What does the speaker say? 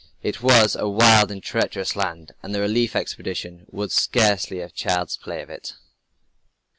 It was a wild and treacherous land, and the relief expedition would scarcely have child's play of it.